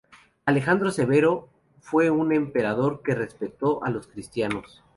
Alejandro Severo fue un emperador que respetó a los cristianos.